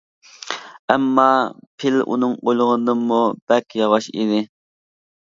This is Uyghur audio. ئەمما پىل ئۇنىڭ ئويلىغىنىدىنمۇ بەك ياۋاش ئىدى.